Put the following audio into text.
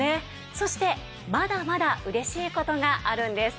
そしてまだまだ嬉しい事があるんです。